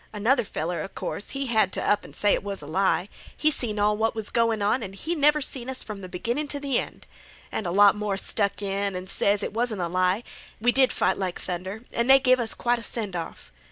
Another feller, 'a course, he had t' up an' say it was a lie—he seen all what was goin' on an' he never seen us from th' beginnin' t' th' end. An' a lot more stuck in an' ses it wasn't a lie—we did fight like thunder, an' they give us quite a sendoff.